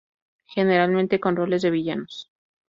Generalmente con roles de villanos.